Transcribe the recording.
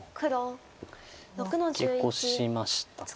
ツケコしましたか。